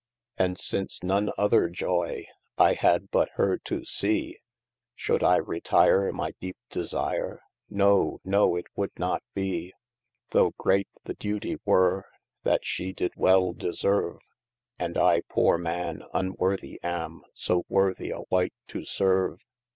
And since none other joye I had but her to see, S\lo\oulde I retire my deepe desire ? no no it would not bee : Though great the duetie were, that shee did well deserve, And I poore man, unworthie am so wo\f]thie a wight to serve.